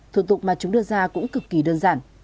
thủ tục mà chúng đưa ra cũng cực kỳ đơn giản